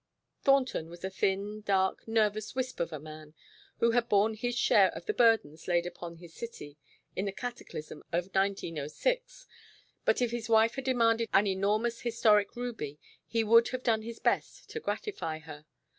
Thornton was a thin, dark, nervous wisp of a man, who had borne his share of the burdens laid upon his city in the cataclysm of 1906, but if his wife had demanded an enormous historic ruby he would have done his best to gratify her.